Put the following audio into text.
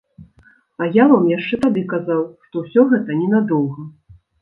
А я вам яшчэ тады казаў, што ўсё гэта ненадоўга!